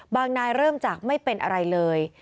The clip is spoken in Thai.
นายเริ่มจากไม่เป็นอะไรเลย